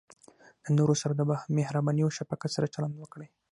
د نورو سره د مهربانۍ او شفقت سره چلند وکړئ.